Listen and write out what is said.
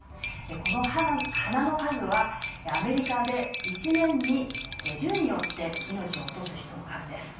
この花の数は、アメリカで１年に銃によって命を落とす人の数です。